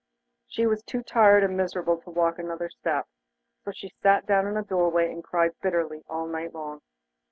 She was too tired and miserable to walk another step, so she sat down in a doorway and cried bitterly all night long.